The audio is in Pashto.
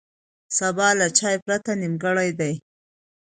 سبا له چای پرته نیمګړی دی.